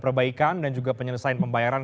perbaikan dan juga penyelesaian pembayaran